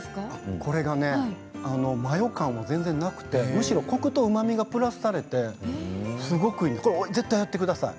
これがね、マヨ感が全然なくて、むしろコクとうまみがプラスされて絶対にやってください。